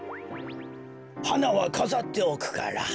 はなはかざっておくから。